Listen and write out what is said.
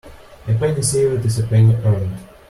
A penny saved is a penny earned.